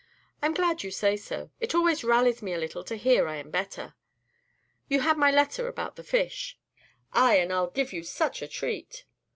"I 'm glad you say so. It always rallies me a little to hear I 'm better. You had my letter about the fish?" "Ay, and I'll give you such a treat."